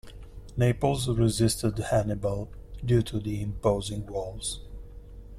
Naples resisted Hannibal due to the imposing walls.